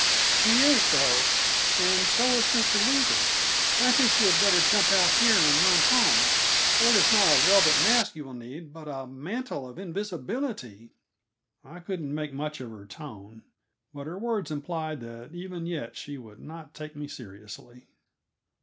"He is, though; and so is Mr. Weaver. I think you had better jump out here and run home, or it is not a velvet mask you will need, but a mantle of invisibility." I couldn't make much of her tone, but her words implied that even yet she would not take me seriously.